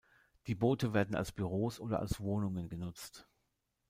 Die Boote werden als Büros oder als Wohnungen genutzt.